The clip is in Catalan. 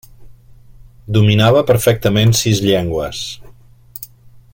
Dominava perfectament sis llengües.